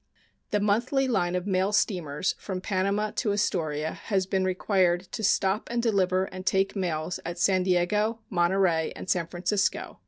The monthly line of mail steamers from Panama to Astoria has been required to "stop and deliver and take mails at San Diego, Monterey, and San Francisco."